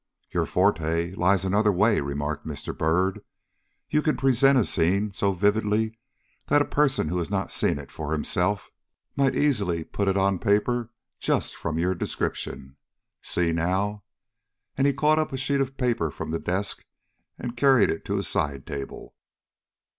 "Your forte lies another way," remarked Mr. Byrd. "You can present a scene so vividly that a person who had not seen it for himself, might easily put it on paper just from your description. See now!" And he caught up a sheet of paper from the desk and carried it to a side table.